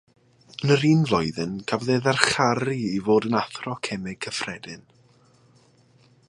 Yn yr un flwyddyn, cafodd ei ddyrchafu i fod yn Athro Cemeg Cyffredin.